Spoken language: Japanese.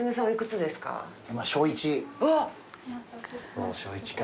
もう小１か。